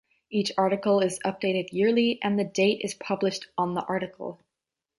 Each article is updated yearly and the date is published on the article.